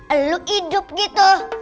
eluk hidup gitu